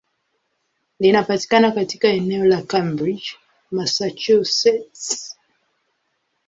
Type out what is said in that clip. Linapatikana katika eneo la Cambridge, Massachusetts.